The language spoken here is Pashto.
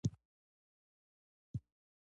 سهار د پرمختګ پیل دی.